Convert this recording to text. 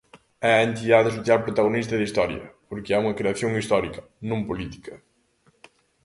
É a entidade social protagonista da historia porque é unha creación histórica, non política.